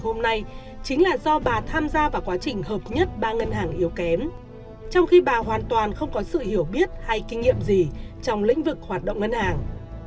hôm nay chính là do bà tham gia vào quá trình hợp nhất ba ngân hàng yếu kém trong khi bà hoàn toàn không có sự hiểu biết hay kinh nghiệm gì trong lĩnh vực hoạt động ngân hàng